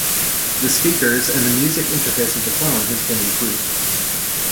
The speakers and the Music interface of the phone has been improved.